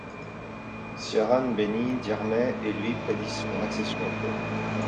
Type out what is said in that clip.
Ciarán bénit Diarmait et lui prédit son accession au trône.